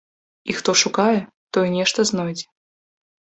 І хто шукае, той нешта знойдзе.